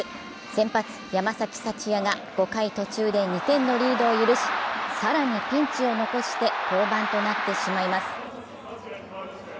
先発・山崎福也が５回途中で２点のリードを許し、更にピンチを残して降板となってしまいます。